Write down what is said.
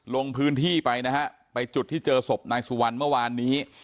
ลงพื้นที่ไปนะฮะไปจุดที่เจอศพนายสุวรรณเมื่อวานนี้